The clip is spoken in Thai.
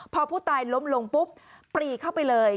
พอผู้ตายล้มลงปุ๊บปรีเข้าไปเลย